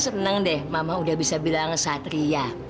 senang deh mama udah bisa bilang satria